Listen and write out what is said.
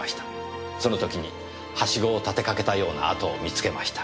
その時にハシゴを立てかけたような跡を見つけました。